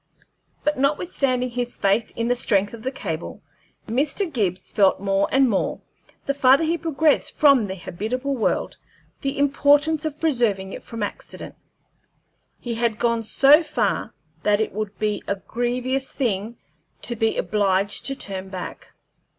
But notwithstanding his faith in the strength of the cable, Mr. Gibbs felt more and more, the farther he progressed from the habitable world, the importance of preserving it from accident. He had gone so far that it would be a grievous thing to be obliged to turn back.